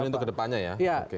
jadi untuk kedepannya ya